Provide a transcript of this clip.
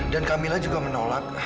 dan kamila juga menolak